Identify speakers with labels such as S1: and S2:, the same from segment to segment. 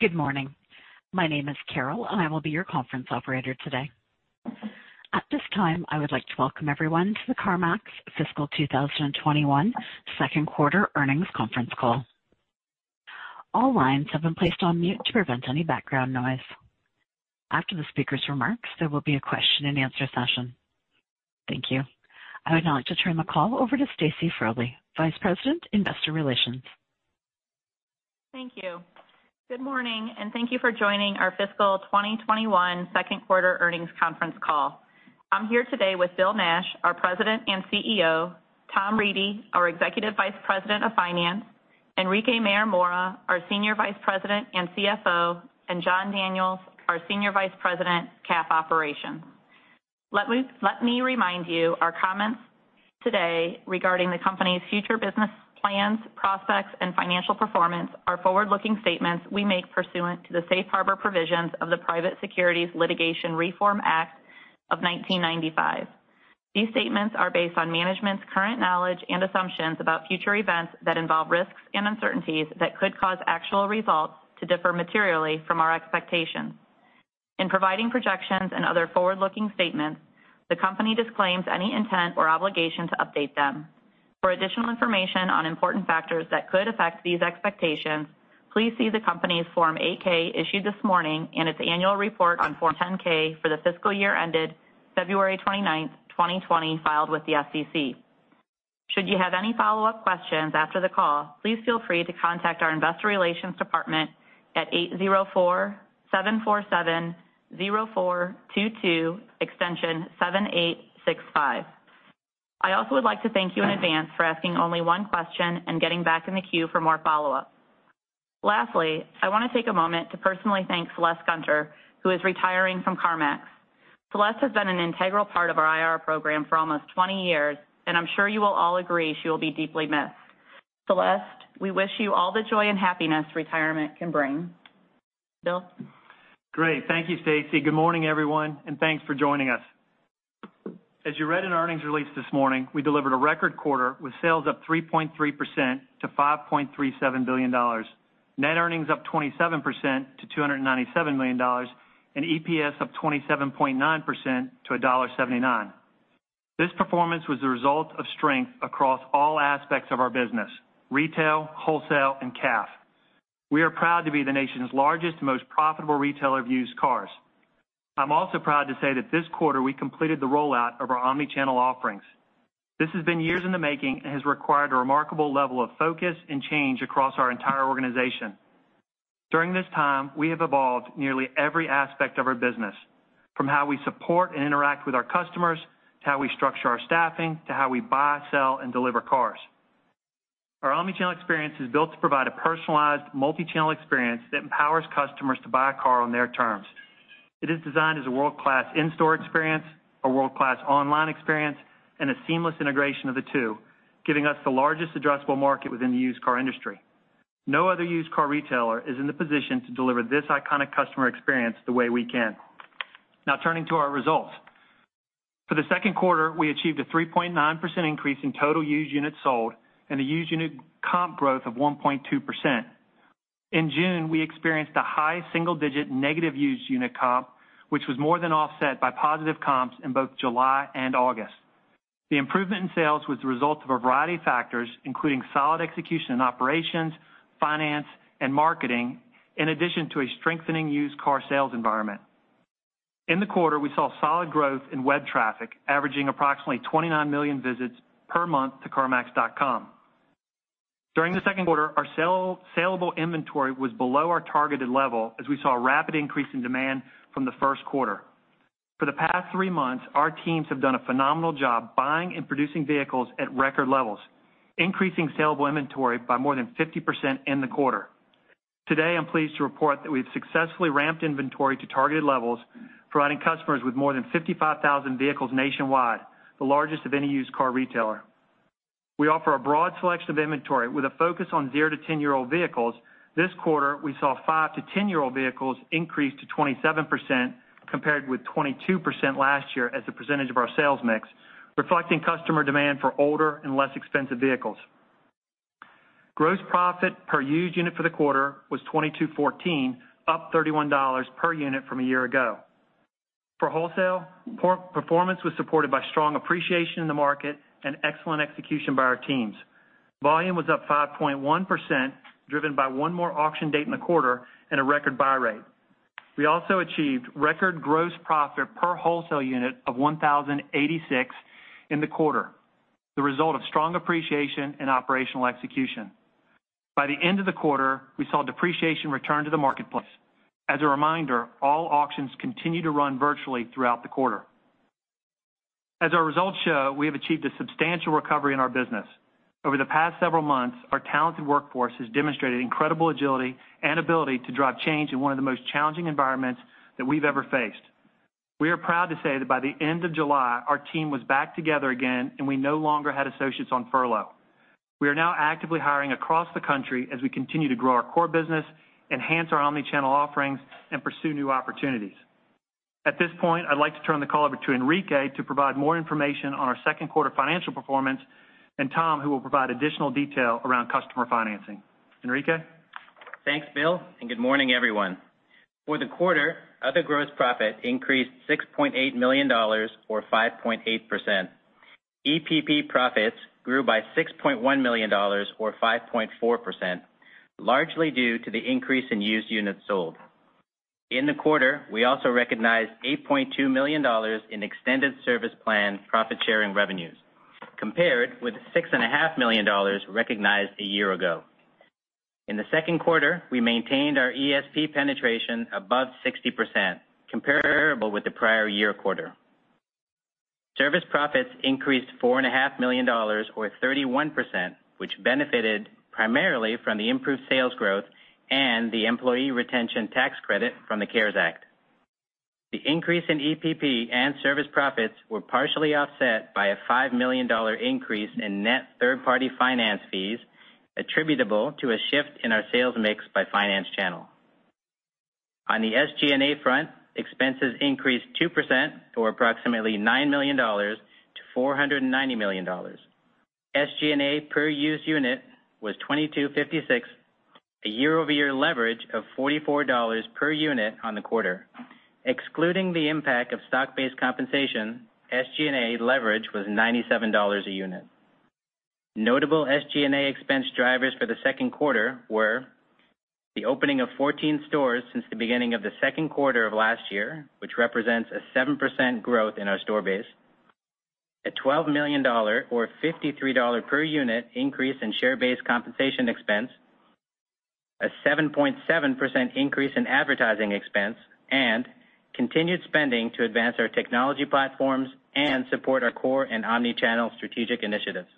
S1: Good morning. My name is Carol, and I will be your conference operator today. At this time, I would like to welcome everyone to the CarMax fiscal 2021 second quarter earnings conference call. All lines have been placed on mute to prevent any background noise. After the speaker's remarks, there will be a question and answer session. Thank you. I would now like to turn the call over to Stacy Frole, Vice President, Investor Relations.
S2: Thank you. Good morning, and thank you for joining our fiscal 2021 second quarter earnings conference call. I'm here today with Bill Nash, our President and CEO, Tom Reedy, our Executive Vice President of Finance, Enrique Mayor-Mora, our Senior Vice President and CFO, and Jon Daniels, our Senior Vice President, CAF Operations. Let me remind you, our comments today regarding the company's future business plans, prospects, and financial performance are forward-looking statements we make pursuant to the Safe Harbor provisions of the Private Securities Litigation Reform Act of 1995. These statements are based on management's current knowledge and assumptions about future events that involve risks and uncertainties that could cause actual results to differ materially from our expectations. In providing projections and other forward-looking statements, the company disclaims any intent or obligation to update them. For additional information on important factors that could affect these expectations, please see the company's Form 8-K issued this morning and its annual report on Form 10-K for the fiscal year ended February 29th, 2020, filed with the SEC. Should you have any follow-up questions after the call, please feel free to contact our investor relations department at 804-747-0422, extension 7865. I also would like to thank you in advance for asking only one question and getting back in the queue for more follow-ups. Lastly, I want to take a moment to personally thank Celeste Gunter, who is retiring from CarMax. Celeste has been an integral part of our IR program for almost 20 years, and I'm sure you will all agree she will be deeply missed. Celeste, we wish you all the joy and happiness retirement can bring. Bill?
S3: Great. Thank you, Stacy. Good morning, everyone, and thanks for joining us. As you read in earnings release this morning, we delivered a record quarter with sales up 3.3% to $5.37 billion, net earnings up 27% to $297 million, and EPS up 27.9% to $1.79. This performance was the result of strength across all aspects of our business: retail, wholesale, and CAF. We are proud to be the nation's largest, most profitable retailer of used cars. I'm also proud to say that this quarter we completed the rollout of our omni-channel offerings. This has been years in the making and has required a remarkable level of focus and change across our entire organization. During this time, we have evolved nearly every aspect of our business, from how we support and interact with our customers, to how we structure our staffing, to how we buy, sell, and deliver cars. Our omnichannel experience is built to provide a personalized multi-channel experience that empowers customers to buy a car on their terms. It is designed as a world-class in-store experience, a world-class online experience, and a seamless integration of the two, giving us the largest addressable market within the used car industry. No other used car retailer is in the position to deliver this iconic customer experience the way we can. Turning to our results. For the second quarter, we achieved a 3.9% increase in total used units sold and a used unit comp growth of 1.2%. In June, we experienced a high single-digit negative used unit comp, which was more than offset by positive comps in both July and August. The improvement in sales was the result of a variety of factors, including solid execution in operations, finance, and marketing, in addition to a strengthening used car sales environment. In the quarter, we saw solid growth in web traffic, averaging approximately 29 million visits per month to carmax.com. During the second quarter, our saleable inventory was below our targeted level as we saw a rapid increase in demand from the first quarter. For the past three months, our teams have done a phenomenal job buying and producing vehicles at record levels, increasing saleable inventory by more than 50% in the quarter. Today, I'm pleased to report that we've successfully ramped inventory to targeted levels, providing customers with more than 55,000 vehicles nationwide, the largest of any used car retailer. We offer a broad selection of inventory with a focus on 0-10-year-old vehicles. This quarter, we saw 5-10-year-old vehicles increase to 27%, compared with 22% last year as a percentage of our sales mix, reflecting customer demand for older and less expensive vehicles. Gross profit per used unit for the quarter was $2,214, up $31 per unit from a year ago. For wholesale, performance was supported by strong appreciation in the market and excellent execution by our teams. Volume was up 5.1%, driven by one more auction date in the quarter and a record buy rate. We also achieved record gross profit per wholesale unit of $1,086 in the quarter, the result of strong appreciation and operational execution. By the end of the quarter, we saw depreciation return to the marketplace. As a reminder, all auctions continued to run virtually throughout the quarter. As our results show, we have achieved a substantial recovery in our business. Over the past several months, our talented workforce has demonstrated incredible agility and ability to drive change in one of the most challenging environments that we've ever faced. We are proud to say that by the end of July, our team was back together again, and we no longer had associates on furlough. We are now actively hiring across the country as we continue to grow our core business, enhance our omnichannel offerings, and pursue new opportunities. At this point, I'd like to turn the call over to Enrique to provide more information on our second quarter financial performance, and Tom, who will provide additional detail around customer financing. Enrique?
S4: Thanks, Bill, and good morning, everyone. For the quarter, other gross profit increased $6.8 million, or 5.8%. EPP profits grew by $6.1 million, or 5.4%, largely due to the increase in used units sold. In the quarter, we also recognized $8.2 million in extended service plan profit-sharing revenues, compared with $6.5 million recognized a year ago. In the second quarter, we maintained our ESP penetration above 60%, comparable with the prior year quarter. Service profits increased $4.5 million or 31%, which benefited primarily from the improved sales growth and the employee retention tax credit from the CARES Act. The increase in EPP and service profits were partially offset by a $5 million increase in net third-party finance fees attributable to a shift in our sales mix by finance channel. On the SG&A front, expenses increased 2%, or approximately $9 million-$490 million. SG&A per used unit was $22.56, a year-over-year leverage of $44 per unit on the quarter. Excluding the impact of stock-based compensation, SG&A leverage was $97 a unit. Notable SG&A expense drivers for the second quarter were the opening of 14 stores since the beginning of the second quarter of last year, which represents a 7% growth in our store base, a $12 million or $53 per unit increase in share-based compensation expense, a 7.7% increase in advertising expense, and continued spending to advance our technology platforms and support our core and omni-channel strategic initiatives.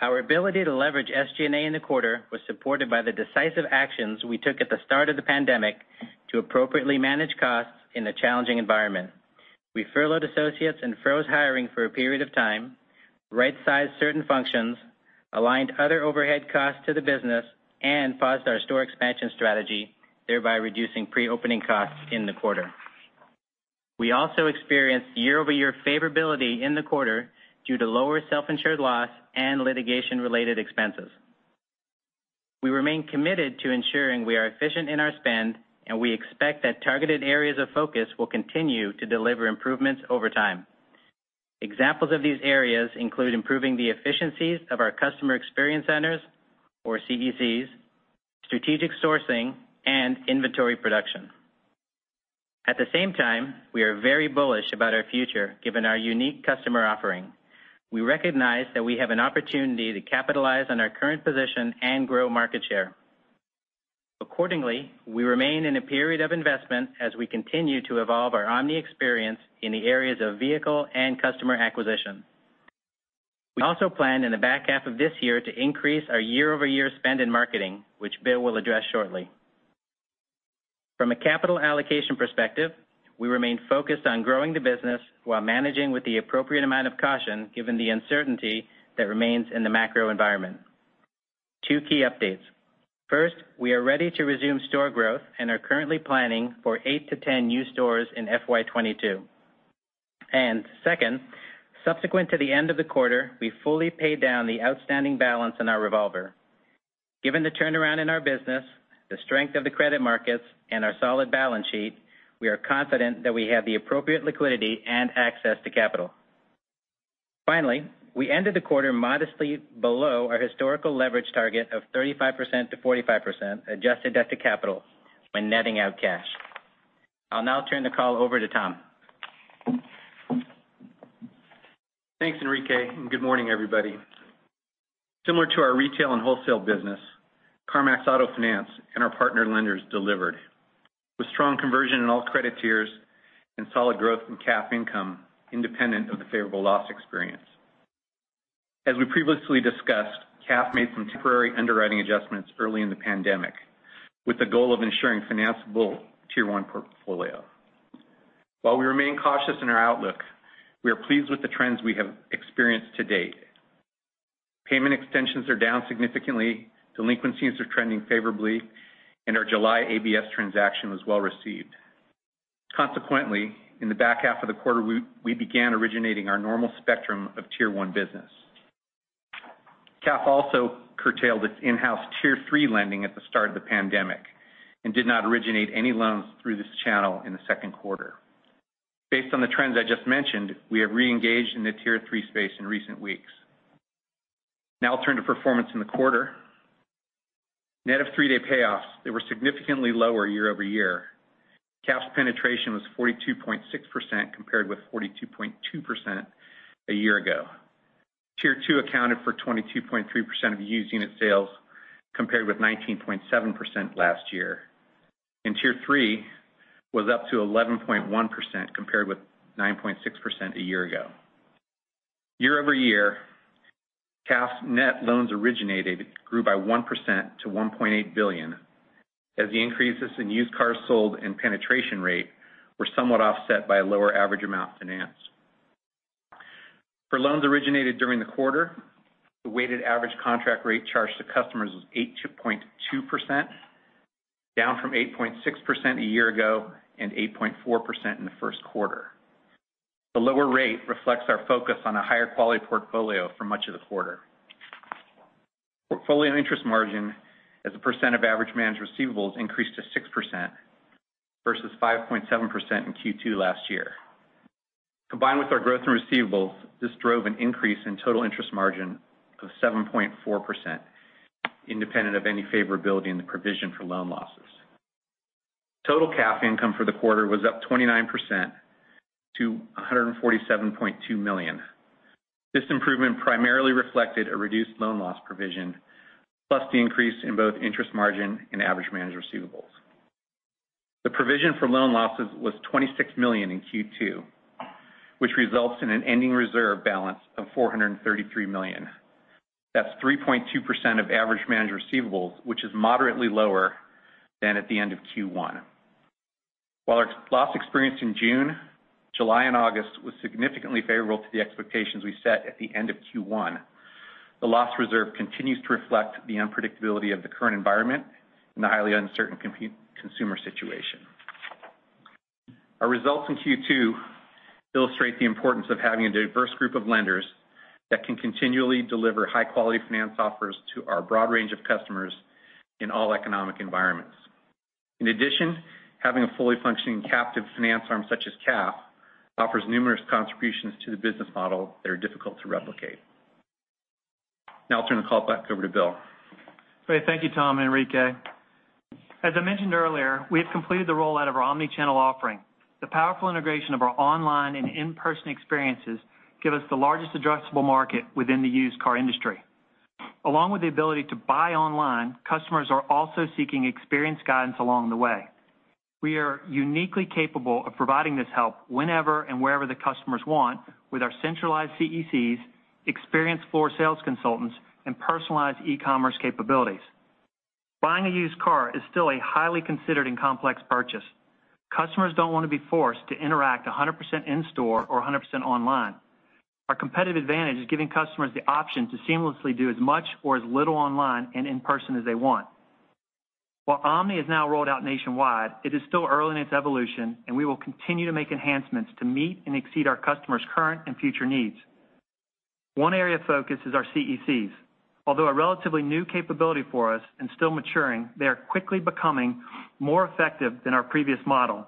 S4: Our ability to leverage SG&A in the quarter was supported by the decisive actions we took at the start of the pandemic to appropriately manage costs in the challenging environment. We furloughed associates and froze hiring for a period of time, right-sized certain functions, aligned other overhead costs to the business, and paused our store expansion strategy, thereby reducing pre-opening costs in the quarter. We also experienced year-over-year favorability in the quarter due to lower self-insured loss and litigation-related expenses. We remain committed to ensuring we are efficient in our spend, and we expect that targeted areas of focus will continue to deliver improvements over time. Examples of these areas include improving the efficiencies of our Customer Experience Centers, or CECs, strategic sourcing, and inventory production. At the same time, we are very bullish about our future, given our unique customer offering. We recognize that we have an opportunity to capitalize on our current position and grow market share. Accordingly, we remain in a period of investment as we continue to evolve our omni experience in the areas of vehicle and customer acquisition. We also plan in the back half of this year to increase our year-over-year spend in marketing, which Bill will address shortly. From a capital allocation perspective, we remain focused on growing the business while managing with the appropriate amount of caution, given the uncertainty that remains in the macro environment. Two key updates. First, we are ready to resume store growth and are currently planning for 8-10 new stores in FY 2022. Second, subsequent to the end of the quarter, we fully paid down the outstanding balance on our revolver. Given the turnaround in our business, the strength of the credit markets, and our solid balance sheet, we are confident that we have the appropriate liquidity and access to capital. Finally, we ended the quarter modestly below our historical leverage target of 35%-45% adjusted debt to capital when netting out cash. I'll now turn the call over to Tom.
S5: Thanks, Enrique, and good morning, everybody. Similar to our retail and wholesale business, CarMax Auto Finance and our partner lenders delivered with strong conversion in all credit tiers and solid growth in CAF income independent of the favorable loss experience. As we previously discussed, CAF made some temporary underwriting adjustments early in the pandemic with the goal of ensuring financeable tier 1 portfolio. While we remain cautious in our outlook, we are pleased with the trends we have experienced to date. Payment extensions are down significantly, delinquencies are trending favorably, and our July ABS transaction was well-received. Consequently, in the back half of the quarter, we began originating our normal spectrum of tier 1 business. CAF also curtailed its in-house tier 3 lending at the start of the pandemic and did not originate any loans through this channel in the second quarter. Based on the trends I just mentioned, we have reengaged in the tier 3 space in recent weeks. Now I'll turn to performance in the quarter. Net of three-day payoffs, they were significantly lower year-over-year. CAF's penetration was 42.6% compared with 42.2% a year ago. Tier 2 accounted for 22.3% of used unit sales compared with 19.7% last year. Tier 3 was up to 11.1% compared with 9.6% a year ago. Year-over-year, CAF's net loans originated grew by 1% to $1.8 billion as the increases in used cars sold and penetration rate were somewhat offset by a lower average amount financed. For loans originated during the quarter, the weighted average contract rate charged to customers was 8.2%, down from 8.6% a year ago and 8.4% in the first quarter. The lower rate reflects our focus on a higher quality portfolio for much of the quarter. Portfolio interest margin as a percent of average managed receivables increased to 6% versus 5.7% in Q2 last year. Combined with our growth in receivables, this drove an increase in total interest margin of 7.4%, independent of any favorability in the provision for loan losses. Total CAF income for the quarter was up 29% to $147.2 million. This improvement primarily reflected a reduced loan loss provision, plus the increase in both interest margin and average managed receivables. The provision for loan losses was $26 million in Q2, which results in an ending reserve balance of $433 million. That's 3.2% of average managed receivables, which is moderately lower than at the end of Q1. While our loss experience in June, July, and August was significantly favorable to the expectations we set at the end of Q1, the loss reserve continues to reflect the unpredictability of the current environment and the highly uncertain consumer situation. Our results in Q2 illustrate the importance of having a diverse group of lenders that can continually deliver high-quality finance offers to our broad range of customers in all economic environments. In addition, having a fully functioning captive finance arm such as CAF offers numerous contributions to the business model that are difficult to replicate. Now I'll turn the call back over to Bill.
S3: Great. Thank you, Tom and Enrique. As I mentioned earlier, we have completed the rollout of our omni-channel offering. The powerful integration of our online and in-person experiences give us the largest addressable market within the used car industry. Along with the ability to buy online, customers are also seeking experience guidance along the way. We are uniquely capable of providing this help whenever and wherever the customers want with our centralized CECs, experienced floor sales consultants, and personalized e-commerce capabilities. Buying a used car is still a highly considered and complex purchase. Customers don't want to be forced to interact 100% in store or 100% online. Our competitive advantage is giving customers the option to seamlessly do as much or as little online and in person as they want. While omni is now rolled out nationwide, it is still early in its evolution and we will continue to make enhancements to meet and exceed our customers' current and future needs. One area of focus is our CECs. Although a relatively new capability for us and still maturing, they are quickly becoming more effective than our previous model.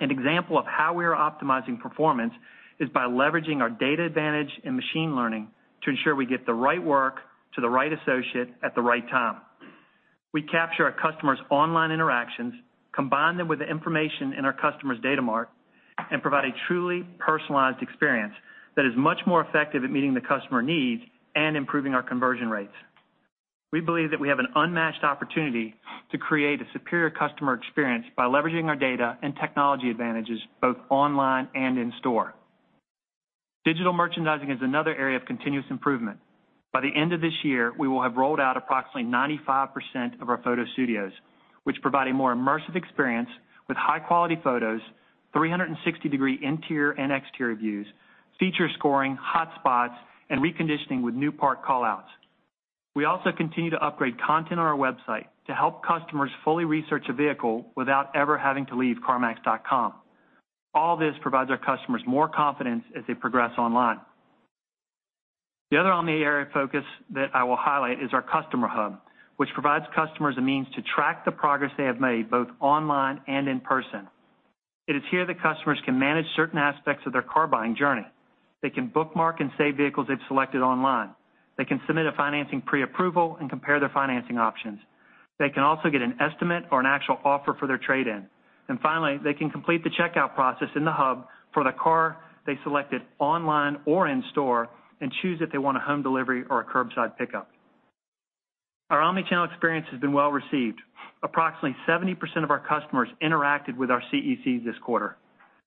S3: An example of how we are optimizing performance is by leveraging our data advantage and machine learning to ensure we get the right work to the right associate at the right time. We capture our customers' online interactions, combine them with the information in our customers' data mart, and provide a truly personalized experience that is much more effective at meeting the customer needs and improving our conversion rates. We believe that we have an unmatched opportunity to create a superior customer experience by leveraging our data and technology advantages both online and in store. Digital merchandising is another area of continuous improvement. By the end of this year, we will have rolled out approximately 95% of our photo studios, which provide a more immersive experience with high-quality photos, 360-degree interior and exterior views, feature scoring, hotspots, and reconditioning with new part callouts. We also continue to upgrade content on our website to help customers fully research a vehicle without ever having to leave carmax.com. All this provides our customers more confidence as they progress online. The other omni area of focus that I will highlight is our customer hub, which provides customers a means to track the progress they have made, both online and in person. It is here that customers can manage certain aspects of their car buying journey. They can bookmark and save vehicles they've selected online. They can submit a financing pre-approval and compare their financing options. They can also get an estimate or an actual offer for their trade-in. Finally, they can complete the checkout process in the hub for the car they selected online or in store and choose if they want a home delivery or a curbside pickup. Our omnichannel experience has been well received. Approximately 70% of our customers interacted with our CEC this quarter.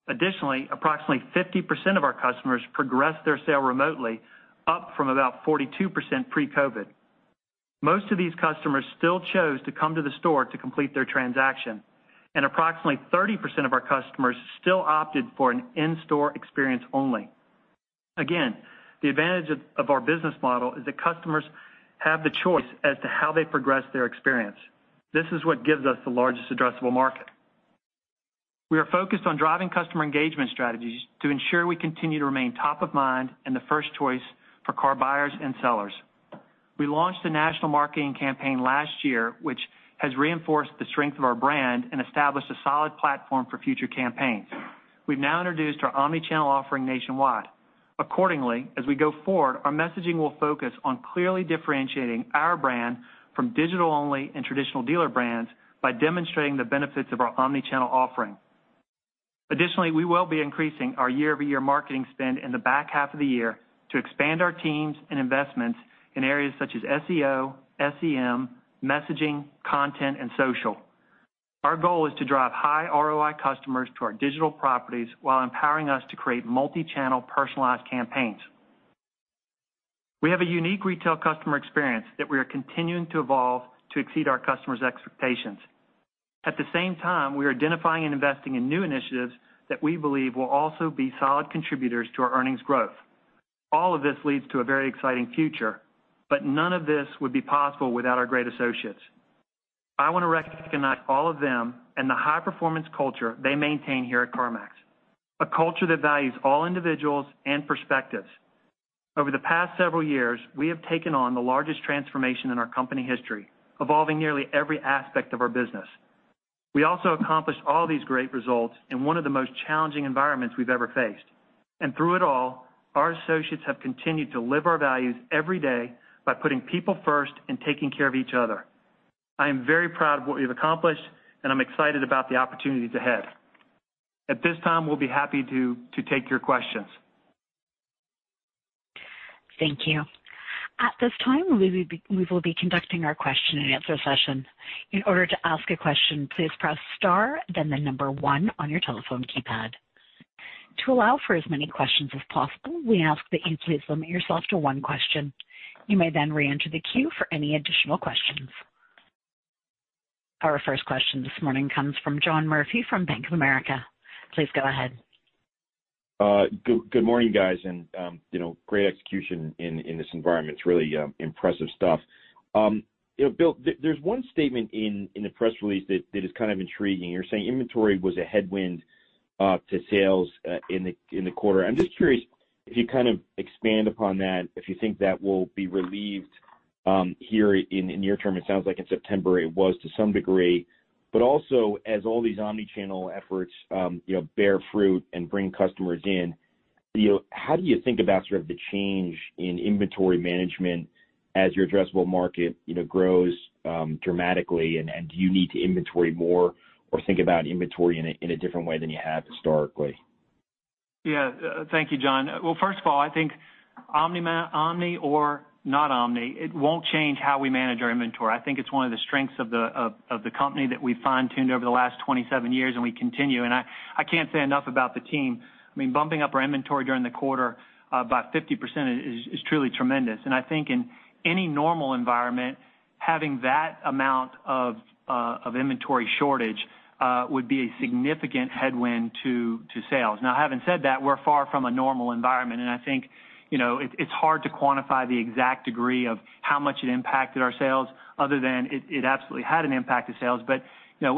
S3: Additionally, approximately 50% of our customers progressed their sale remotely, up from about 42% pre-COVID. Most of these customers still chose to come to the store to complete their transaction, and approximately 30% of our customers still opted for an in-store experience only. Again, the advantage of our business model is that customers have the choice as to how they progress their experience. This is what gives us the largest addressable market. We are focused on driving customer engagement strategies to ensure we continue to remain top of mind and the first choice for car buyers and sellers. We launched a national marketing campaign last year, which has reinforced the strength of our brand and established a solid platform for future campaigns. We've now introduced our omnichannel offering nationwide. Accordingly, as we go forward, our messaging will focus on clearly differentiating our brand from digital-only and traditional dealer brands by demonstrating the benefits of our omnichannel offering. We will be increasing our year-over-year marketing spend in the back half of the year to expand our teams and investments in areas such as SEO, SEM, messaging, content, and social. Our goal is to drive high ROI customers to our digital properties while empowering us to create multi-channel personalized campaigns. We have a unique retail customer experience that we are continuing to evolve to exceed our customers' expectations. At the same time, we are identifying and investing in new initiatives that we believe will also be solid contributors to our earnings growth. All of this leads to a very exciting future, but none of this would be possible without our great associates. I want to recognize all of them and the high-performance culture they maintain here at CarMax, a culture that values all individuals and perspectives. Over the past several years, we have taken on the largest transformation in our company history, evolving nearly every aspect of our business. We also accomplished all these great results in one of the most challenging environments we've ever faced. Through it all, our associates have continued to live our values every day by putting people first and taking care of each other. I am very proud of what we've accomplished, and I'm excited about the opportunities ahead. At this time, we'll be happy to take your questions.
S1: Thank you. At this time, we will be conducting our question and answer session. In order to ask a question, please press star, then the number one on your telephone keypad. To allow for as many questions as possible, we ask that you please limit yourself to one question. You may then re-enter the queue for any additional questions. Our first question this morning comes from John Murphy from Bank of America. Please go ahead.
S6: Good morning, guys, and great execution in this environment. It's really impressive stuff. Bill, there's one statement in the press release that is kind of intriguing. You're saying inventory was a headwind to sales in the quarter. I'm just curious if you kind of expand upon that, if you think that will be relieved here in near term, it sounds like in September it was to some degree, but also as all these omnichannel efforts bear fruit and bring customers in, how do you think about sort of the change in inventory management as your addressable market grows dramatically, and do you need to inventory more or think about inventory in a different way than you have historically?
S3: Yeah. Thank you, John. Well, first of all, I think omni or not omni, it won't change how we manage our inventory. I think it's one of the strengths of the company that we fine-tuned over the last 27 years, and we continue. I can't say enough about the team. Bumping up our inventory during the quarter by 50% is truly tremendous. I think in any normal environment, having that amount of inventory shortage would be a significant headwind to sales. Now, having said that, we're far from a normal environment, and I think it's hard to quantify the exact degree of how much it impacted our sales other than it absolutely had an impact to sales.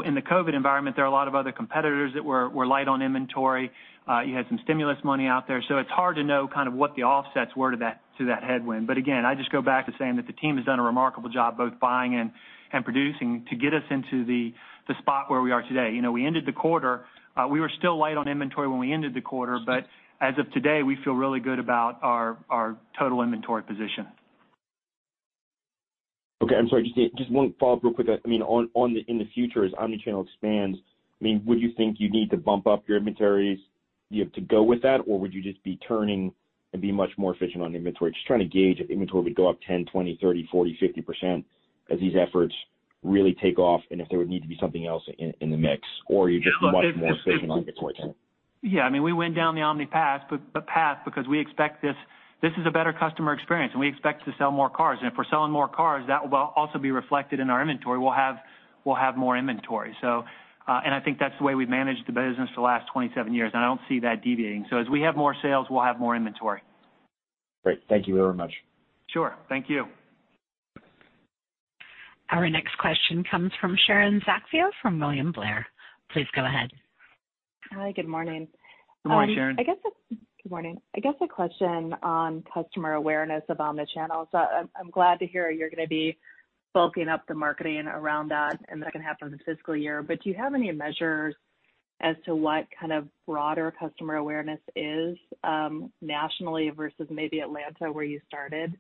S3: In the COVID environment, there are a lot of other competitors that were light on inventory. You had some stimulus money out there, so it's hard to know kind of what the offsets were to that headwind. Again, I just go back to saying that the team has done a remarkable job, both buying and producing to get us into the spot where we are today. We were still light on inventory when we ended the quarter, but as of today, we feel really good about our total inventory position.
S6: Okay. I'm sorry, just one follow-up real quick. In the future, as omnichannel expands, would you think you need to bump up your inventories to go with that, or would you just be turning and be much more efficient on inventory? Just trying to gauge if inventory would go up 10%, 20%, 30%, 40%, 50% as these efforts really take off, and if there would need to be something else in the mix, or you're just much more efficient on inventory.
S3: Yeah, we went down the omni path because we expect this is a better customer experience, and we expect to sell more cars. If we're selling more cars, that will also be reflected in our inventory. We'll have more inventory. I think that's the way we've managed the business for the last 27 years, and I don't see that deviating. As we have more sales, we'll have more inventory.
S6: Great. Thank you very much.
S3: Sure. Thank you.
S1: Our next question comes from Sharon Zackfia from William Blair. Please go ahead.
S7: Hi, good morning.
S3: Good morning, Sharon.
S7: Good morning. I guess a question on customer awareness of omnichannel. I'm glad to hear you're going to be bulking up the marketing around that, and that can happen this fiscal year. Do you have any measures as to what kind of broader customer awareness is nationally versus maybe Atlanta where you started?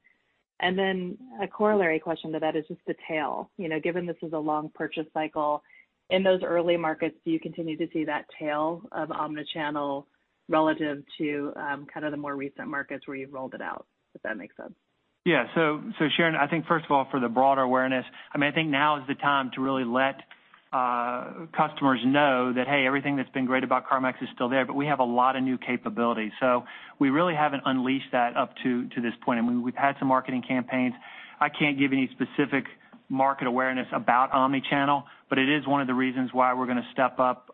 S7: A corollary question to that is just the tail. Given this is a long purchase cycle, in those early markets, do you continue to see that tail of omnichannel relative to kind of the more recent markets where you've rolled it out? If that makes sense.
S3: Sharon, I think first of all, for the broader awareness, I think now is the time to really let customers know that, hey, everything that's been great about CarMax is still there, but we have a lot of new capabilities. We really haven't unleashed that up to this point, and we've had some marketing campaigns. I can't give any specific market awareness about omnichannel, but it is one of the reasons why we're going to step up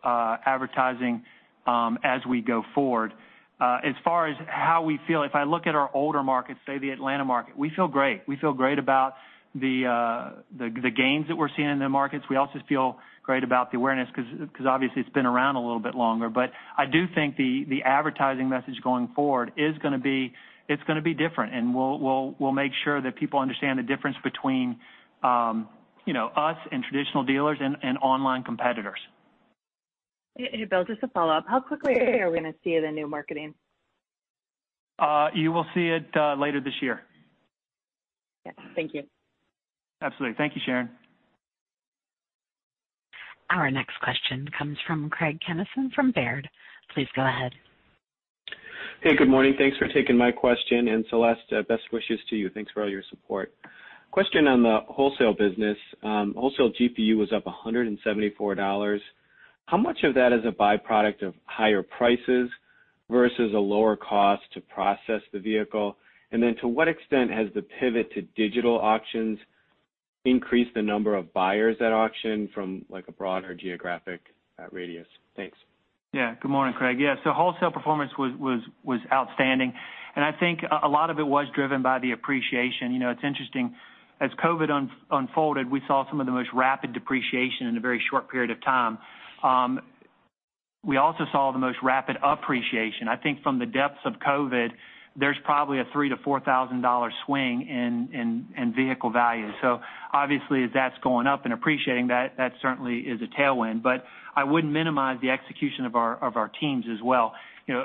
S3: advertising as we go forward. As far as how we feel, if I look at our older markets, say, the Atlanta market, we feel great. We feel great about the gains that we're seeing in the markets. We also feel great about the awareness because obviously it's been around a little bit longer. I do think the advertising message going forward it's going to be different. We'll make sure that people understand the difference between us and traditional dealers and online competitors.
S7: Hey, Bill, just a follow-up. How quickly are we going to see the new marketing?
S3: You will see it later this year.
S7: Yeah. Thank you.
S3: Absolutely. Thank you, Sharon.
S1: Our next question comes from Craig Kennison from Baird. Please go ahead.
S8: Hey, good morning. Thanks for taking my question. Celeste, best wishes to you. Thanks for all your support. Question on the wholesale business. Wholesale GPU was up $174. How much of that is a byproduct of higher prices versus a lower cost to process the vehicle? To what extent has the pivot to digital auctions increased the number of buyers at auction from a broader geographic radius? Thanks.
S3: Good morning, Craig. Wholesale performance was outstanding, and I think a lot of it was driven by the appreciation. It's interesting, as COVID unfolded, we saw some of the most rapid depreciation in a very short period of time. We also saw the most rapid appreciation. I think from the depths of COVID, there's probably a $3,000-$4,000 swing in vehicle value. Obviously, as that's going up and appreciating, that certainly is a tailwind. I wouldn't minimize the execution of our teams as well.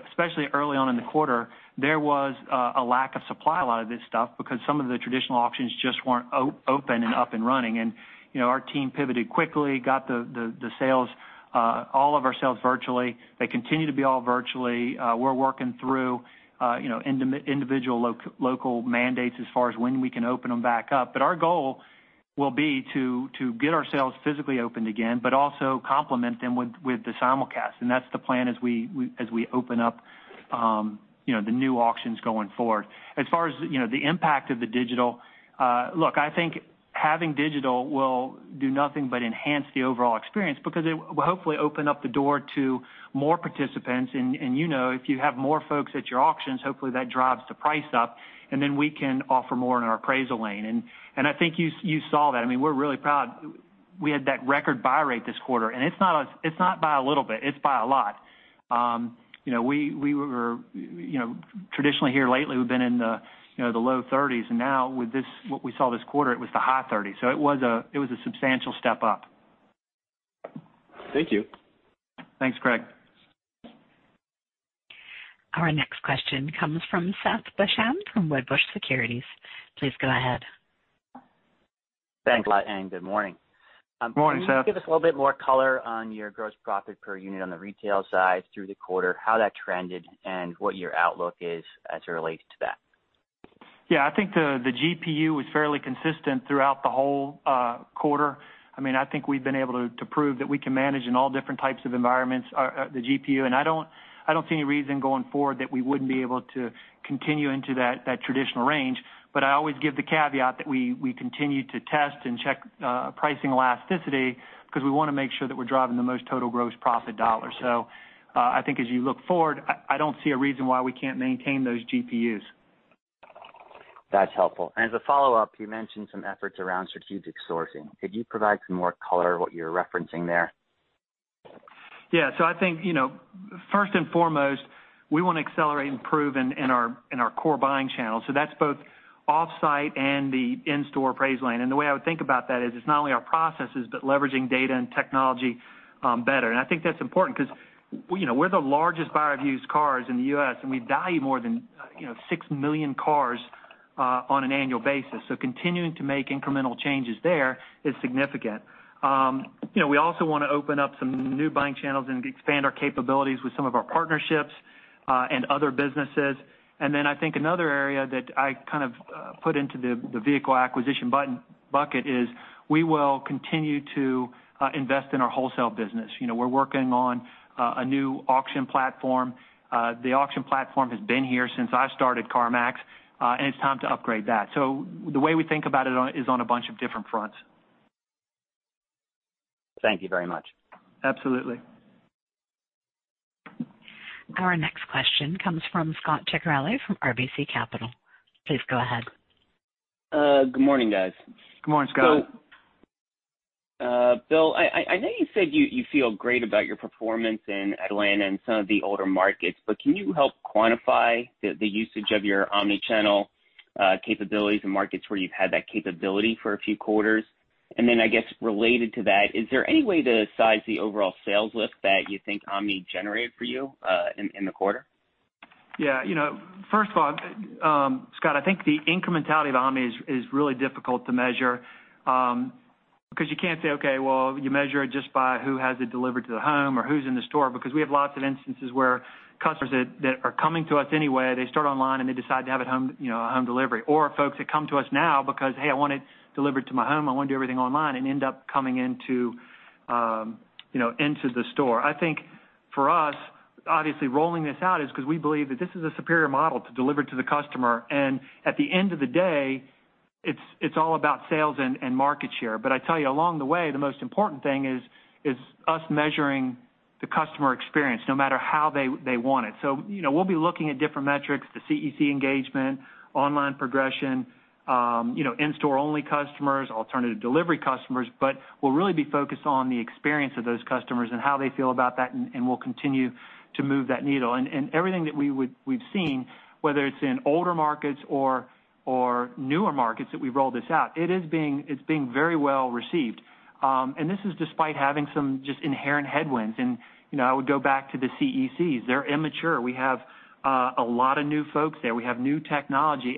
S3: Especially early on in the quarter, there was a lack of supply, a lot of this stuff, because some of the traditional auctions just weren't open and up and running. Our team pivoted quickly, got all of our sales virtually. They continue to be all virtually. We're working through individual local mandates as far as when we can open them back up. Our goal will be to get our sales physically opened again, but also complement them with the simulcast. That's the plan as we open up the new auctions going forward. As far as the impact of the digital, look, I think having digital will do nothing but enhance the overall experience because it will hopefully open up the door to more participants. You know if you have more folks at your auctions, hopefully that drives the price up, and then we can offer more in our appraisal lane. I think you saw that. We're really proud. We had that record buy rate this quarter, and it's not by a little bit, it's by a lot. Traditionally here lately, we've been in the low 30s. Now with what we saw this quarter, it was the high 30s. It was a substantial step up.
S8: Thank you.
S3: Thanks, Craig.
S1: Our next question comes from Seth Basham from Wedbush Securities. Please go ahead.
S9: Thanks a lot, and good morning.
S3: Morning, Seth.
S9: Can you give us a little bit more color on your gross profit per unit on the retail side through the quarter, how that trended, and what your outlook is as it relates to that?
S3: Yeah, I think the GPU was fairly consistent throughout the whole quarter. I think we've been able to prove that we can manage in all different types of environments, the GPU. I don't see any reason going forward that we wouldn't be able to continue into that traditional range. I always give the caveat that we continue to test and check pricing elasticity because we want to make sure that we're driving the most total gross profit dollars. I think as you look forward, I don't see a reason why we can't maintain those GPUs.
S9: That's helpful. As a follow-up, you mentioned some efforts around strategic sourcing. Could you provide some more color what you're referencing there?
S3: I think, first and foremost, we want to accelerate and improve in our core buying channels. That's both off-site and the in-store appraisal lane. The way I would think about that is it's not only our processes, but leveraging data and technology better. I think that's important because we're the largest buyer of used cars in the U.S., and we value more than six million cars on an annual basis. Continuing to make incremental changes there is significant. We also want to open up some new buying channels and expand our capabilities with some of our partnerships and other businesses. I think another area that I put into the vehicle acquisition bucket is we will continue to invest in our wholesale business. We're working on a new auction platform. The auction platform has been here since I started CarMax, and it's time to upgrade that. The way we think about it is on a bunch of different fronts.
S9: Thank you very much.
S3: Absolutely.
S1: Our next question comes from Scot Ciccarelli from RBC Capital. Please go ahead.
S10: Good morning, guys.
S3: Good morning, Scot.
S10: Bill, I know you said you feel great about your performance in Atlanta and some of the older markets, but can you help quantify the usage of your omni-channel capabilities in markets where you've had that capability for a few quarters? I guess, related to that, is there any way to size the overall sales lift that you think omni generated for you in the quarter?
S3: Yeah. First of all, Scot, I think the incrementality of omni is really difficult to measure, because you can't say, okay, well, you measure it just by who has it delivered to the home or who's in the store, because we have lots of instances where customers that are coming to us anyway, they start online, and they decide to have it home delivery. Folks that come to us now because, hey, I want it delivered to my home, I want to do everything online and end up coming into the store. I think for us, obviously rolling this out is because we believe that this is a superior model to deliver to the customer. At the end of the day, it's all about sales and market share. I tell you, along the way, the most important thing is us measuring the customer experience, no matter how they want it. We'll be looking at different metrics, the CEC engagement, online progression, in-store-only customers, alternative delivery customers, but we'll really be focused on the experience of those customers and how they feel about that, and we'll continue to move that needle. Everything that we've seen, whether it's in older markets or newer markets that we've rolled this out, it's being very well received. This is despite having some just inherent headwinds. I would go back to the CECs. They're immature. We have a lot of new folks there. We have new technology.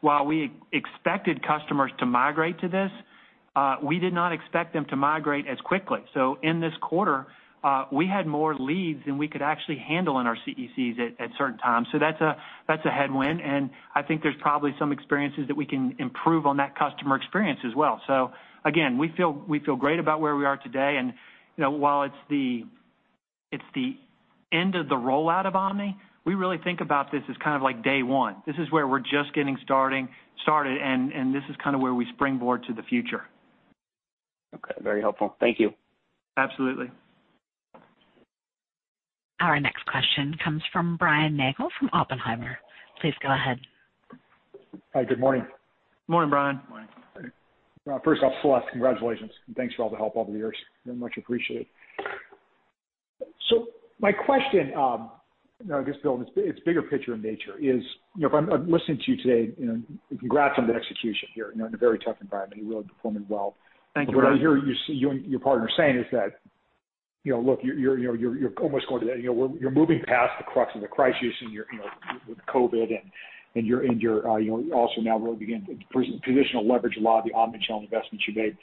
S3: While we expected customers to migrate to this, we did not expect them to migrate as quickly. In this quarter, we had more leads than we could actually handle in our CECs at certain times. That's a headwind, I think there's probably some experiences that we can improve on that customer experience as well. Again, we feel great about where we are today. While it's the end of the rollout of omni. We really think about this as kind of like day one. This is where we're just getting started, and this is kind of where we springboard to the future.
S10: Okay. Very helpful. Thank you.
S3: Absolutely.
S1: Our next question comes from Brian Nagel from Oppenheimer. Please go ahead.
S11: Hi, good morning.
S3: Morning, Brian.
S11: First off, Celeste, congratulations and thanks for all the help over the years. Very much appreciated. My question, I guess, Bill, it's bigger picture in nature is, if I'm listening to you today, congrats on the execution here in a very tough environment. You're really performing well.
S3: Thank you, Brian.
S11: What I hear you and your partner saying is that look, you're almost moving past the crux of the crisis and with COVID and you're also now really beginning to position leverage a lot of the omni-channel investments you made.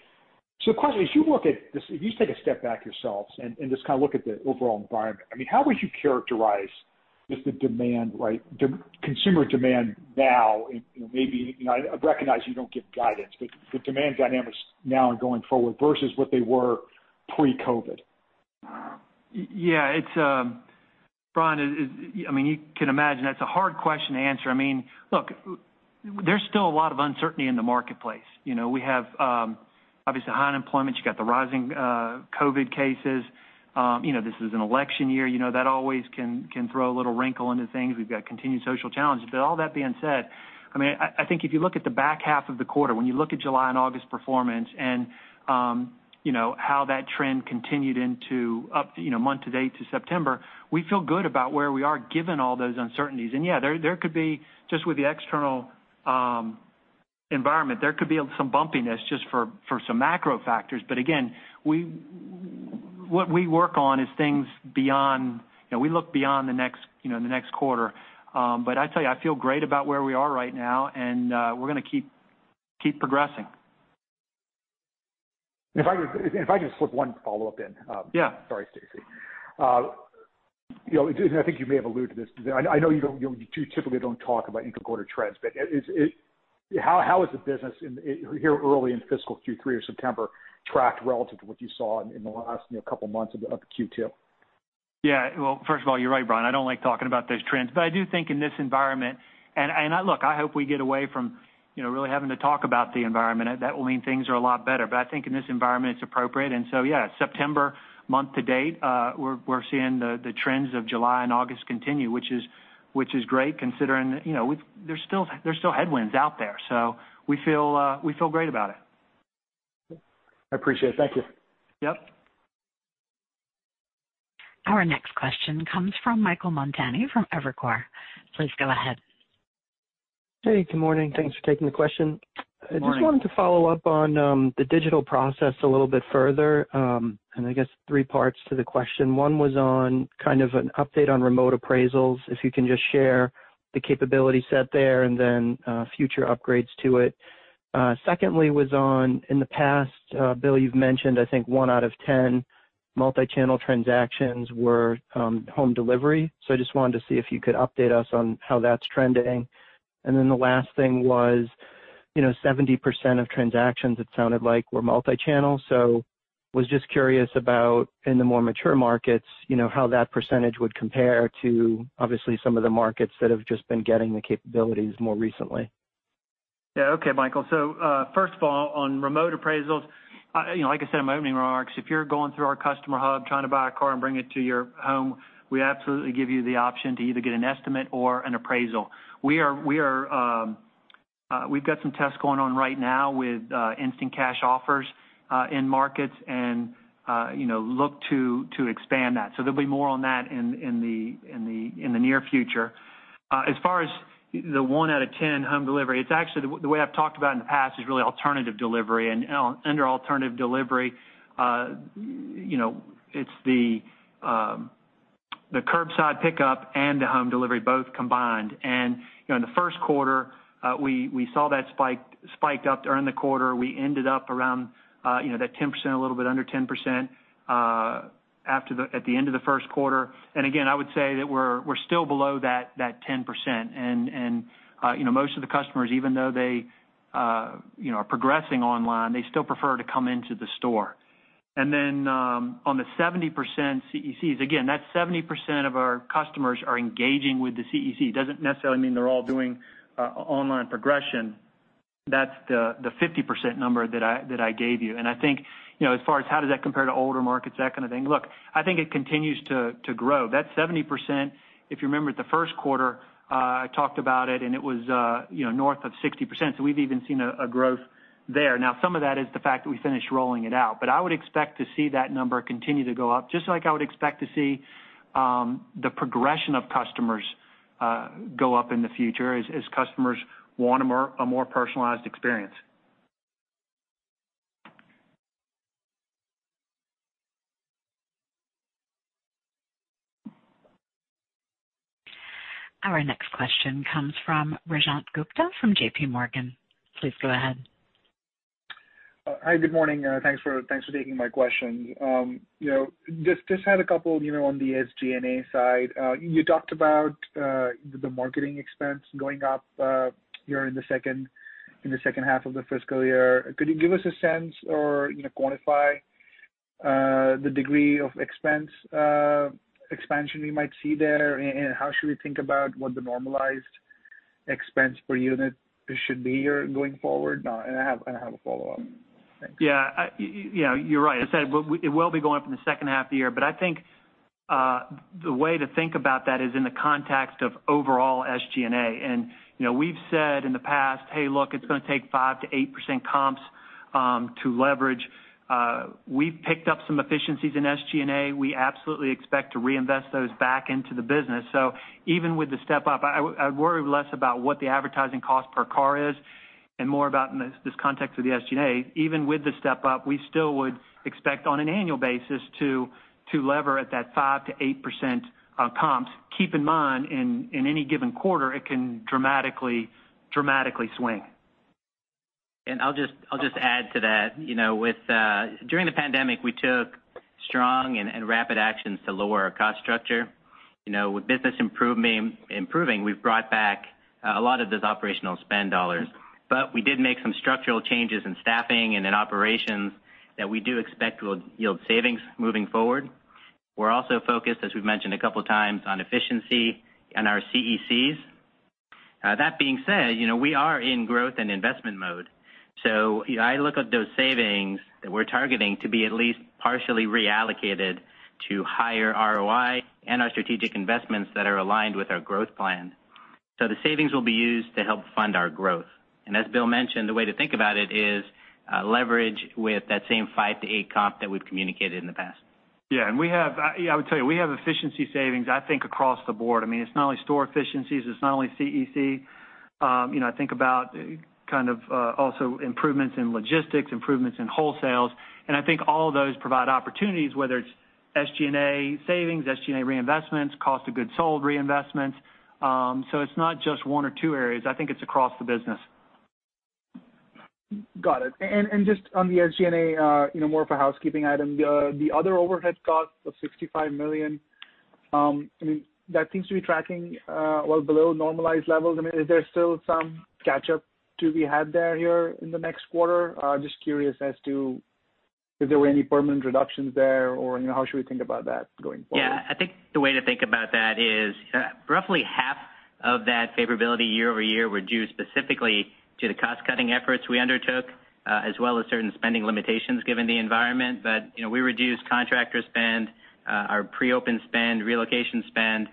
S11: The question is, if you take a step back yourselves and just kind of look at the overall environment, how would you characterize just the demand, consumer demand now, and maybe, I recognize you don't give guidance, but the demand dynamics now and going forward versus what they were pre-COVID?
S3: Yeah. Brian, you can imagine that's a hard question to answer. Look, there's still a lot of uncertainty in the marketplace. We have, obviously, high unemployment. You got the rising COVID cases. This is an election year. That always can throw a little wrinkle into things. We've got continued social challenges. All that being said, I think if you look at the back half of the quarter, when you look at July and August performance and how that trend continued month to date to September, we feel good about where we are given all those uncertainties. Yeah, there could be, just with the external environment, there could be some bumpiness just for some macro factors. Again, what we work on is things. We look beyond the next quarter. I tell you, I feel great about where we are right now, and we're going to keep progressing.
S11: If I could just slip one follow-up in.
S3: Yeah.
S11: Sorry, Stacy. I think you may have alluded to this. I know you two typically don't talk about income quarter trends, but how is the business here early in fiscal Q3 or September tracked relative to what you saw in the last couple months of Q2?
S3: Well, first of all, you're right, Brian, I don't like talking about those trends, but I do think in this environment, and look, I hope we get away from really having to talk about the environment. That will mean things are a lot better. I think in this environment, it's appropriate. September month to date, we're seeing the trends of July and August continue, which is great considering there's still headwinds out there. We feel great about it.
S11: I appreciate it. Thank you.
S3: Yep.
S1: Our next question comes from Michael Montani from Evercore. Please go ahead.
S12: Hey, good morning. Thanks for taking the question.
S3: Morning.
S12: I just wanted to follow up on the digital process a little bit further. I guess three parts to the question. One was on kind of an update on remote appraisals, if you can just share the capability set there and then future upgrades to it. Secondly was on, in the past, Bill, you've mentioned, I think one out of 10 multi-channel transactions were home delivery. I just wanted to see if you could update us on how that's trending. The last thing was, 70% of transactions, it sounded like, were multi-channel. Was just curious about in the more mature markets, how that percentage would compare to obviously some of the markets that have just been getting the capabilities more recently.
S3: Yeah. Okay, Michael. First of all, on remote appraisals, like I said in my opening remarks, if you're going through our customer hub trying to buy a car and bring it to your home, we absolutely give you the option to either get an estimate or an appraisal. We've got some tests going on right now with instant cash offers in markets and look to expand that. There'll be more on that in the near future. As far as the one out of 10 home delivery, it's actually the way I've talked about in the past is really alternative delivery. Under alternative delivery, it's the curbside pickup and the home delivery both combined. In the first quarter, we saw that spike up during the quarter. We ended up around that 10%, a little bit under 10% at the end of the first quarter. Again, I would say that we're still below that 10%. Most of the customers, even though they are progressing online, they still prefer to come into the store. Then, on the 70% CECs, again, that's 70% of our customers are engaging with the CEC. Doesn't necessarily mean they're all doing online progression. That's the 50% number that I gave you. I think, as far as how does that compare to older markets, that kind of thing, look, I think it continues to grow. That 70%, if you remember at the first quarter, I talked about it, and it was north of 60%, so we've even seen a growth there. Now, some of that is the fact that we finished rolling it out, but I would expect to see that number continue to go up, just like I would expect to see the progression of customers go up in the future as customers want a more personalized experience.
S1: Our next question comes from Rajat Gupta from JPMorgan. Please go ahead.
S13: Hi, good morning. Thanks for taking my question. Just had a couple on the SG&A side. You talked about the marketing expense going up during the second half of the fiscal year, could you give us a sense or quantify the degree of expense expansion we might see there? How should we think about what the normalized expense per unit should be here going forward? I have a follow-up. Thanks.
S3: Yeah. You're right. I said it will be going up in the second half of the year, but I think the way to think about that is in the context of overall SG&A. We've said in the past, hey, look, it's going to take 5%-8% comps to leverage. We've picked up some efficiencies in SG&A. We absolutely expect to reinvest those back into the business. Even with the step-up, I would worry less about what the advertising cost per car is and more about in this context of the SG&A. Even with the step-up, we still would expect on an annual basis to lever at that 5%-8% of comps. Keep in mind, in any given quarter, it can dramatically swing.
S4: I'll just add to that. During the pandemic, we took strong and rapid actions to lower our cost structure. With business improving, we've brought back a lot of those operational spend dollars. We did make some structural changes in staffing and in operations that we do expect will yield savings moving forward. We're also focused, as we've mentioned a couple of times, on efficiency and our CECs. That being said, we are in growth and investment mode. I look at those savings that we're targeting to be at least partially reallocated to higher ROI and our strategic investments that are aligned with our growth plan. The savings will be used to help fund our growth. As Bill mentioned, the way to think about it is leverage with that same 5%-8% comp that we've communicated in the past.
S3: Yeah. I would tell you, we have efficiency savings, I think across the board. It's not only store efficiencies, it's not only CEC. I think about kind of also improvements in logistics, improvements in wholesales, and I think all of those provide opportunities, whether it's SG&A savings, SG&A reinvestments, cost of goods sold reinvestments. It's not just one or two areas. I think it's across the business.
S13: Got it. Just on the SG&A, more of a housekeeping item. The other overhead cost of $65 million, that seems to be tracking well below normalized levels. Is there still some catch-up to be had there here in the next quarter? Just curious as to if there were any permanent reductions there or how should we think about that going forward?
S4: I think the way to think about that is roughly half of that favorability year-over-year were due specifically to the cost-cutting efforts we undertook, as well as certain spending limitations given the environment. We reduced contractor spend, our pre-open spend, relocation spend.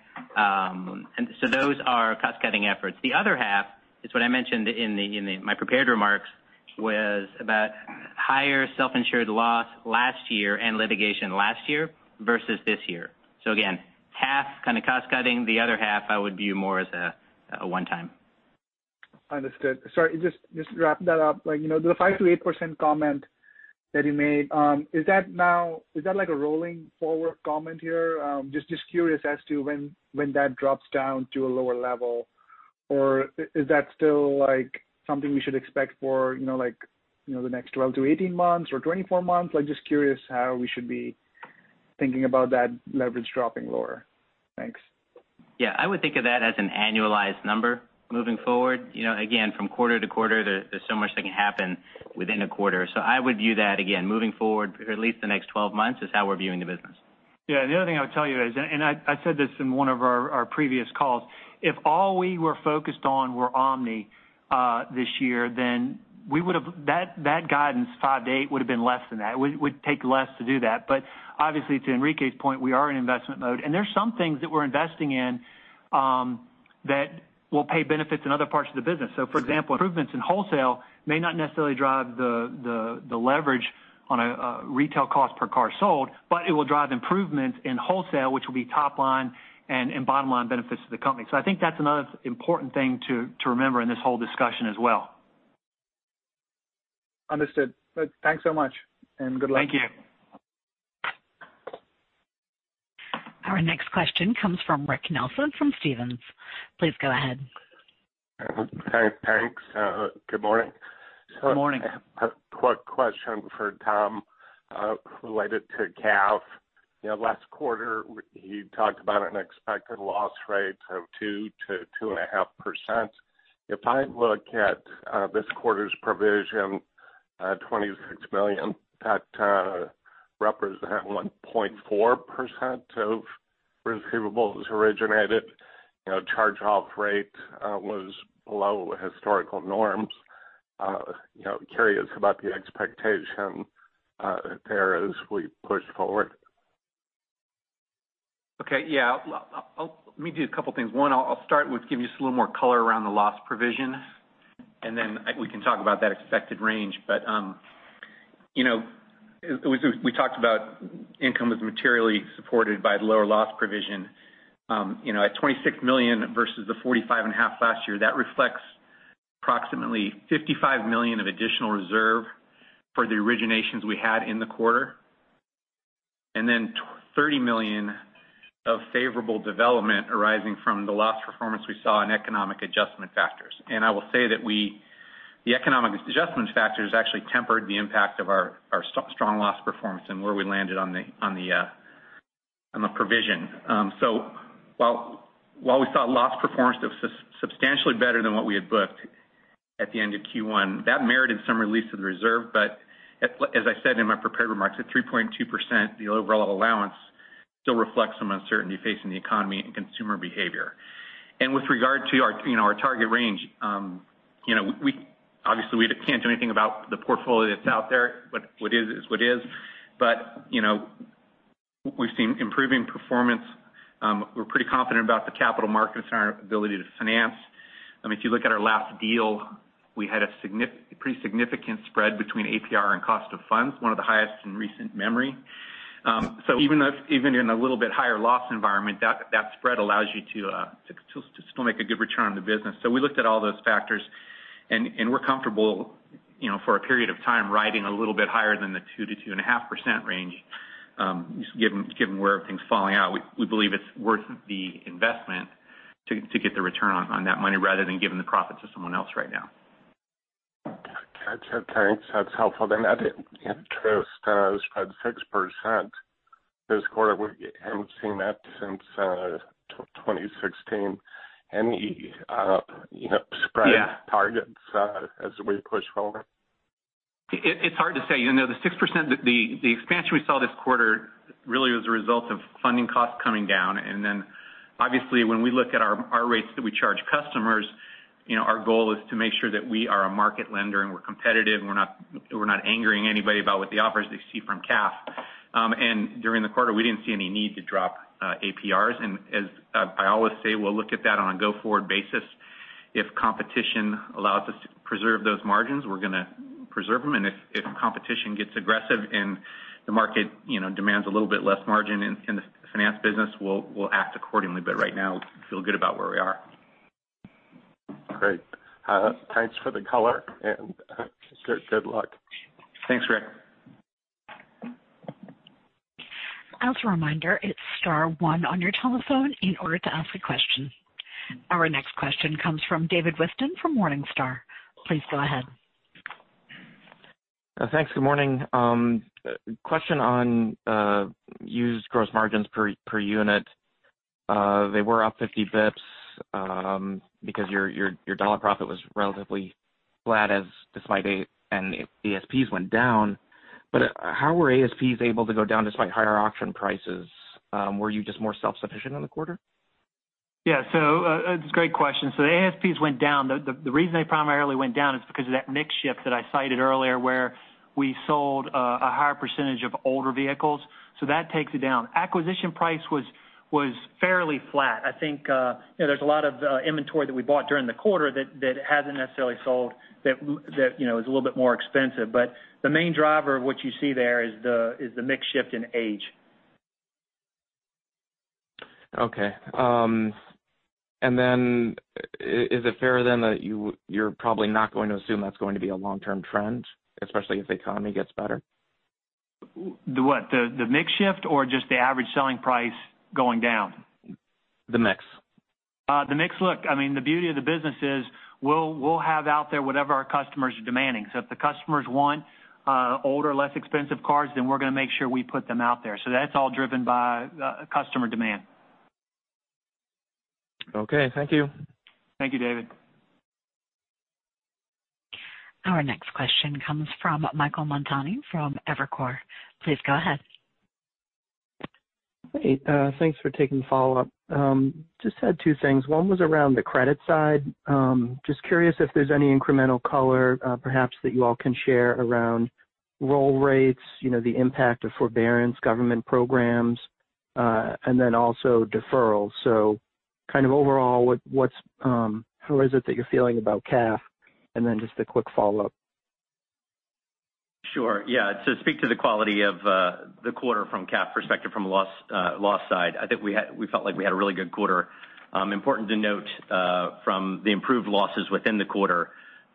S4: Those are cost-cutting efforts. The other half is what I mentioned in my prepared remarks, was about higher self-insured loss last year and litigation last year versus this year. Again, half kind of cost-cutting, the other half I would view more as a one-time.
S13: Understood. Sorry, just to wrap that up, the 5%-8% comment that you made, is that like a rolling forward comment here? Just curious as to when that drops down to a lower level, or is that still something we should expect for the next 12-18 months or 24 months? Just curious how we should be thinking about that leverage dropping lower. Thanks.
S4: Yeah. I would think of that as an annualized number moving forward. Again, from quarter to quarter, there's so much that can happen within a quarter. I would view that again, moving forward for at least the next 12 months is how we're viewing the business.
S3: Yeah. The other thing I would tell you is, I said this in one of our previous calls, if all we were focused on were omni this year, that guidance that date would have been less than that. It would take less to do that. Obviously, to Enrique's point, we are in investment mode. There's some things that we're investing in that will pay benefits in other parts of the business. For example, improvements in wholesale may not necessarily drive the leverage on a retail cost per car sold, but it will drive improvements in wholesale, which will be top line and bottom line benefits to the company. I think that's another important thing to remember in this whole discussion as well.
S13: Understood. Thanks so much, and good luck.
S3: Thank you.
S1: Our next question comes from Rick Nelson from Stephens. Please go ahead.
S14: Thanks. Good morning.
S3: Good morning.
S14: Quick question for Tom related to CAF. Last quarter, you talked about an expected loss rate of 2%-2.5%. If I look at this quarter's provision, $26 million, that represent 1.4% of receivables originated. Charge-off rate was below historical norms. Curious about the expectation there as we push forward?
S5: Okay. Yeah. Let me do a couple things. I'll start with giving you just a little more color around the loss provision, and then we can talk about that expected range. We talked about income was materially supported by lower loss provision. At $26 million versus the $45.5 million last year, that reflects approximately $55 million of additional reserve for the originations we had in the quarter. $30 million of favorable development arising from the loss performance we saw in economic adjustment factors. I will say that the economic adjustment factors actually tempered the impact of our strong loss performance and where we landed on the provision. While we saw loss performance that was substantially better than what we had booked at the end of Q1, that merited some release of the reserve, but as I said in my prepared remarks, at 3.2%, the overall allowance still reflects some uncertainty facing the economy and consumer behavior. With regard to our target range, obviously we can't do anything about the portfolio that's out there. What is what is. We've seen improving performance. We're pretty confident about the capital markets and our ability to finance. If you look at our last deal, we had a pretty significant spread between APR and cost of funds, one of the highest in recent memory. Even in a little bit higher loss environment, that spread allows you to still make a good return on the business. We looked at all those factors and we're comfortable for a period of time riding a little bit higher than the 2%-2.5% range. Given where everything's falling out, we believe it's worth the investment to get the return on that money rather than giving the profit to someone else right now.
S14: Gotcha. Thanks. That's helpful. Net interest spread 6% this quarter. We haven't seen that since 2016.
S5: Yeah
S14: Any spread targets as we push forward?
S5: It's hard to say. The 6%, the expansion we saw this quarter really was a result of funding costs coming down. Obviously when we look at our rates that we charge customers, our goal is to make sure that we are a market lender and we're competitive and we're not angering anybody about what the offers they see from CAF. During the quarter, we didn't see any need to drop APRs. As I always say, we'll look at that on a go-forward basis. If competition allows us to preserve those margins, we're going to preserve them. If competition gets aggressive and the market demands a little bit less margin in the finance business, we'll act accordingly. Right now, we feel good about where we are.
S14: Great. Thanks for the color and good luck.
S5: Thanks, Rick.
S1: As a reminder, it's star one on your telephone in order to ask a question. Our next question comes from David Whiston from Morningstar. Please go ahead.
S15: Thanks. Good morning. Question on used gross margins per unit. They were up 50 basis points, because your dollar profit was relatively flat as despite ASPs went down. How were ASPs able to go down despite higher auction prices? Were you just more self-sufficient in the quarter?
S3: Yeah. It's a great question. The ASPs went down. The reason they primarily went down is because of that mix shift that I cited earlier where we sold a higher percentage of older vehicles. That takes it down. Acquisition price was fairly flat. I think there's a lot of inventory that we bought during the quarter that hasn't necessarily sold that is a little bit more expensive. The main driver of what you see there is the mix shift in age.
S15: Okay. Is it fair then that you're probably not going to assume that's going to be a long-term trend, especially if the economy gets better?
S3: The what? The mix shift or just the average selling price going down?
S15: The mix.
S3: The mix. Look, the beauty of the business is we'll have out there whatever our customers are demanding. If the customers want older, less expensive cars, then we're going to make sure we put them out there. That's all driven by customer demand.
S15: Okay. Thank you.
S3: Thank you, David.
S1: Our next question comes from Michael Montani from Evercore. Please go ahead.
S12: Hey, thanks for taking the follow-up. Just had two things. One was around the credit side. Just curious if there's any incremental color perhaps that you all can share around roll rates, the impact of forbearance government programs, also deferrals. Kind of overall, how is it that you're feeling about CAF? Just a quick follow-up.
S5: Sure. Yeah. To speak to the quality of the quarter from CAF perspective from a loss side, I think we felt like we had a really good quarter. Important to note, from the improved losses within the quarter,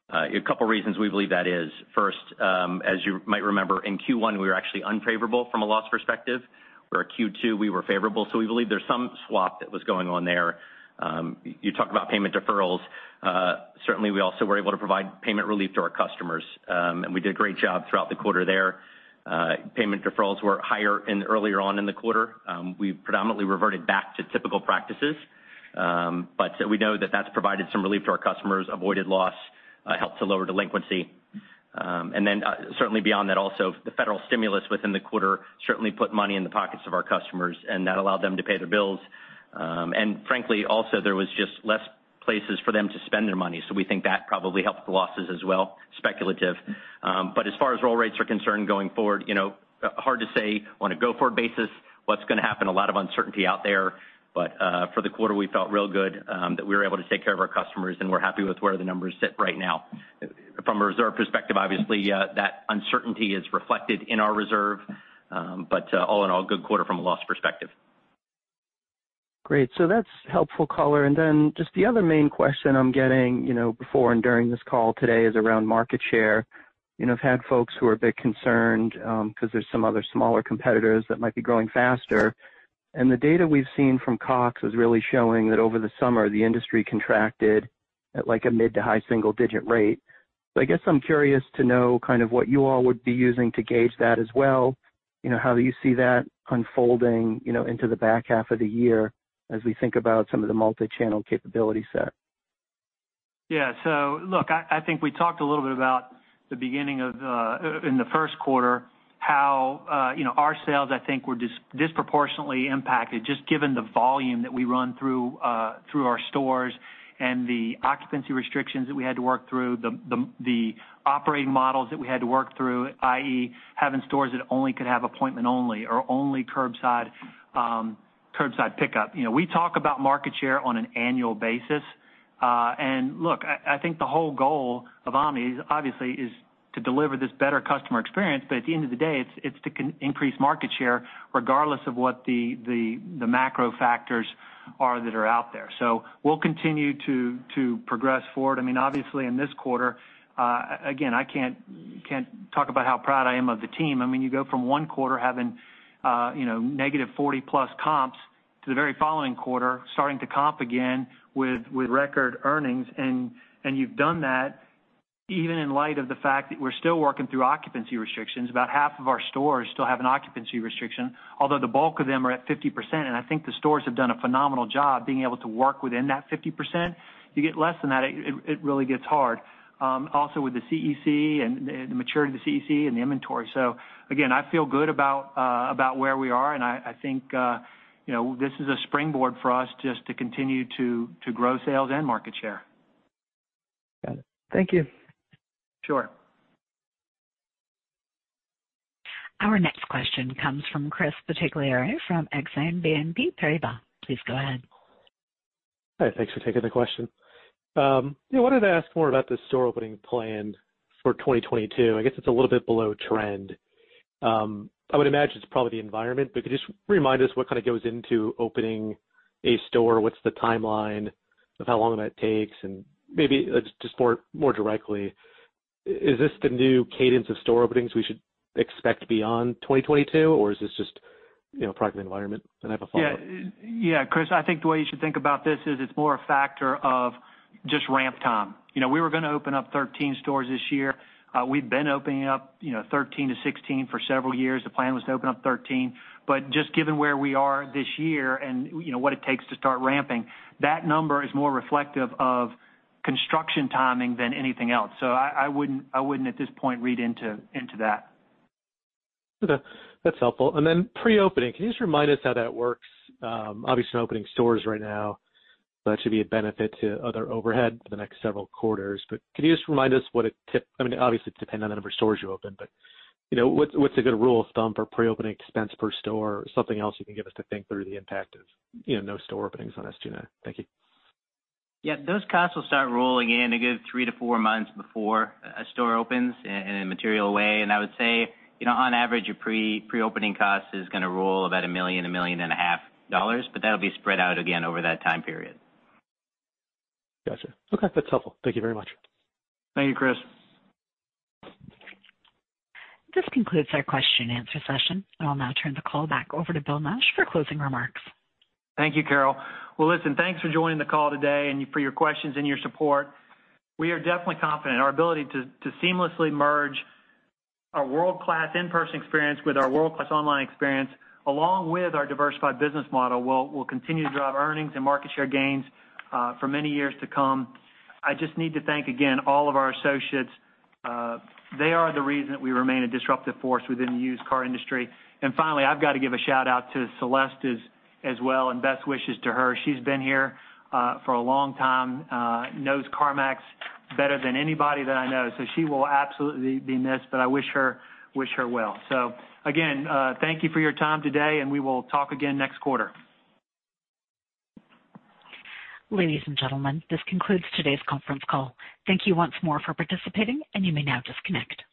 S5: a couple of reasons we believe that is. First, as you might remember, in Q1, we were actually unfavorable from a loss perspective, where Q2 we were favorable. We believe there's some swap that was going on there. You talked about payment deferrals. Certainly, we also were able to provide payment relief to our customers. We did a great job throughout the quarter there. Payment deferrals were higher earlier on in the quarter. We predominantly reverted back to typical practices. We know that that's provided some relief to our customers, avoided loss, helped to lower delinquency. Certainly beyond that also, the federal stimulus within the quarter certainly put money in the pockets of our customers, and that allowed them to pay their bills. Frankly, also there was just less places for them to spend their money. We think that probably helped the losses as well, speculative. As far as roll rates are concerned going forward, hard to say on a go-forward basis what's going to happen. A lot of uncertainty out there. For the quarter, we felt real good that we were able to take care of our customers and we're happy with where the numbers sit right now. From a reserve perspective, obviously, that uncertainty is reflected in our reserve. All in all, good quarter from a loss perspective.
S12: Great. That's helpful color. Then just the other main question I'm getting before and during this call today is around market share. I've had folks who are a bit concerned because there's some other smaller competitors that might be growing faster. The data we've seen from Cox is really showing that over the summer, the industry contracted at like a mid to high single-digit rate. I guess I'm curious to know kind of what you all would be using to gauge that as well. How you see that unfolding into the back half of the year as we think about some of the multi-channel capability set.
S3: Look, I think we talked a little bit about the beginning of, in the first quarter how our sales, I think were disproportionately impacted just given the volume that we run through our stores and the occupancy restrictions that we had to work through, the operating models that we had to work through, i.e., having stores that only could have appointment only or only curbside pickup. We talk about market share on an annual basis. Look, I think the whole goal of omni obviously is to deliver this better customer experience. At the end of the day, it's to increase market share regardless of what the macro factors are that are out there. We'll continue to progress forward. Obviously, in this quarter, again, I can't talk about how proud I am of the team. You go from one quarter having negative 40+ comps to the very following quarter starting to comp again with record earnings, and you've done that even in light of the fact that we're still working through occupancy restrictions. About half of our stores still have an occupancy restriction, although the bulk of them are at 50%, and I think the stores have done a phenomenal job being able to work within that 50%. You get less than that, it really gets hard. Also with the CEC and the maturity of the CEC and the inventory. Again, I feel good about where we are, and I think this is a springboard for us just to continue to grow sales and market share.
S12: Got it. Thank you.
S3: Sure.
S1: Our next question comes from Chris Bottiglieri from BNP Paribas Exane. Please go ahead.
S16: Hi. Thanks for taking the question. I wanted to ask more about the store opening plan for 2022. I guess it's a little bit below trend. I would imagine it's probably the environment, but could you just remind us what kind of goes into opening a store? What's the timeline of how long that takes? Maybe just more directly, is this the new cadence of store openings we should expect beyond 2022? Is this just product environment? I have a follow-up.
S3: Yeah, Chris, I think the way you should think about this is it's more a factor of just ramp time. We were going to open up 13 stores this year. We've been opening up 13 stores-16 stores for several years. The plan was to open up 13 stores. Just given where we are this year and what it takes to start ramping, that number is more reflective of construction timing than anything else. I wouldn't at this point read into that.
S16: Okay. That's helpful. Pre-opening, can you just remind us how that works? Obviously, you're opening stores right now, so that should be a benefit to other overhead for the next several quarters. Could you just remind us what it, obviously it's dependent on the number of stores you open, but what's a good rule of thumb for pre-opening expense per store? Something else you can give us to think through the impact of no store openings on us doing that? Thank you.
S4: Yeah. Those costs will start rolling in a good three to four months before a store opens in a material way. I would say, on average, a pre-opening cost is going to roll about $1 million, $1.5 million, but that'll be spread out again over that time period.
S16: Got you. Okay, that's helpful. Thank you very much.
S3: Thank you, Chris.
S1: This concludes our question and answer session. I'll now turn the call back over to Bill Nash for closing remarks.
S3: Thank you, Carol. Well, listen, thanks for joining the call today and for your questions and your support. We are definitely confident in our ability to seamlessly merge our world-class in-person experience with our world-class online experience, along with our diversified business model, will continue to drive earnings and market share gains for many years to come. I just need to thank again all of our associates. They are the reason that we remain a disruptive force within the used car industry. Finally, I've got to give a shout-out to Celeste as well, and best wishes to her. She's been here for a long time, knows CarMax better than anybody that I know. She will absolutely be missed, but I wish her well. Again, thank you for your time today, and we will talk again next quarter.
S1: Ladies and gentlemen, this concludes today's conference call. Thank you once more for participating, and you may now disconnect.